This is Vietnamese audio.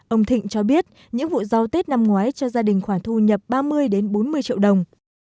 ông thịnh cho biết những vụ rau tết năm ngoái cho gia đình khoản thu nhập ba mươi bốn mươi triệu đồng